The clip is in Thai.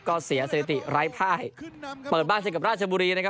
ก็เสียเศรษฐิร้ายพ่ายเปิดบ้านเสียงกับราชบุรีนะครับ